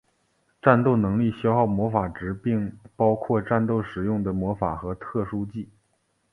战斗能力消耗魔法值并包括战斗使用的魔法和特殊技。